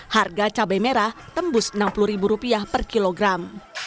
harga cabai merah tembus rp enam puluh per kilogram